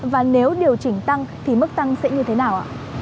và nếu điều chỉnh tăng thì mức tăng sẽ như thế nào ạ